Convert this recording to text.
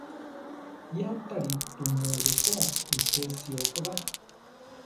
Yáutari tumu rupoo uché sío ko ba.